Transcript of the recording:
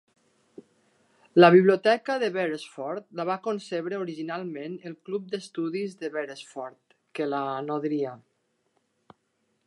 La biblioteca de Beresford la va concebre originalment el Club d'Estudis de Beresford , que la nodria.